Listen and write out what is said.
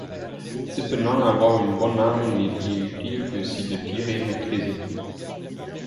Cependant avoir une bonne arme n'est utile que si le tir est maîtrisé.